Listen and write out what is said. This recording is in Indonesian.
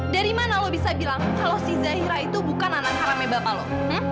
dari mana lo bisa bilang kalau si zahira itu bukan anak haramnya bapak loh